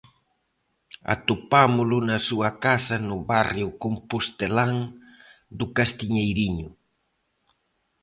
Atopámolo na súa casa no barrio compostelán do Castiñeiriño.